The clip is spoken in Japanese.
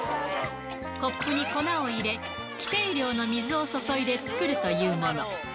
コップに粉を入れ、規定量の水を注いで作るというもの。